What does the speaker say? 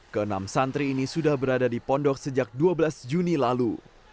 keenam santri ini sudah berada di pondok sejak dua belas juni lalu